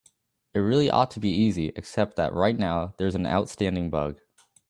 It really ought to be easy, except that right now there's an outstanding bug.